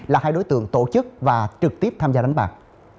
là hai đối tượng tổ chức và trực tiếp tham gia đánh bạc